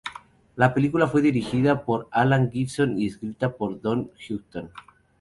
La película fue dirigida por Alan Gibson y escrita por Don Houghton.